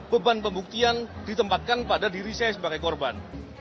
beban pembuktian ditempatkan pada diri saya sebagai korban